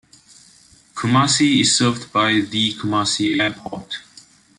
Kumasi is served by the Kumasi Airport.